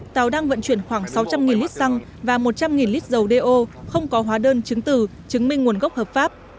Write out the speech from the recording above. tàu đang vận chuyển khoảng sáu trăm linh lít xăng và một trăm linh lít dầu đeo không có hóa đơn chứng từ chứng minh nguồn gốc hợp pháp